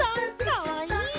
かわいい。